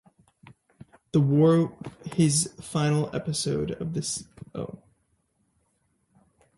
This was his final episode of the series overall.